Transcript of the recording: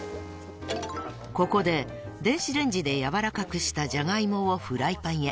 ［ここで電子レンジで軟らかくしたジャガイモをフライパンへ］